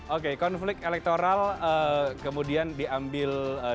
oke konflik elektoral kemudian diambil